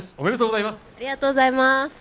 おめでとうございます！